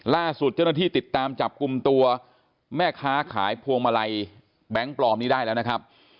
ล่าสุดเจ้าหน้าที่ติดตามจับกลุ่มตัวแม่ค้าขายพวงมาลัยแบงค์ปลอมนี้ได้แล้วนะครับ